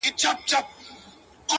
زور د زورور پاچا؛ ماته پر سجده پرېووت؛